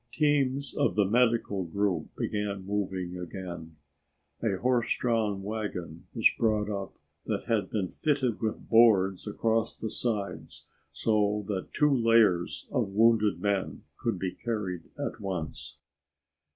Teams of the medical group began moving again. A horse drawn wagon was brought up that had been fitted with boards across the sides so that two layers of wounded men could be carried at once.